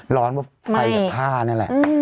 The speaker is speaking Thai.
ร้อนแป๊บไฟจากข้าวเนี่ยแหละอืม